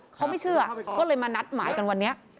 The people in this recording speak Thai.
เขาไม่เชื่อก็เลยมานัดหมายกันวันนี้